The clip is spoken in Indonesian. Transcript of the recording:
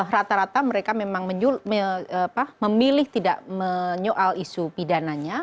rata rata mereka memang memilih tidak menyoal isu pidananya